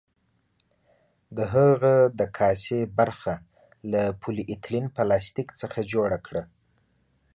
د هغه د کاسې برخه له پولي ایتلین پلاستیک څخه جوړه کړه.